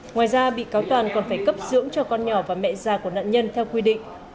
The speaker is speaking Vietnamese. ngoài ra bị cáo toàn còn phải cấp dưỡng cho con nhỏ và mẹ già của nạn nhân theo quy định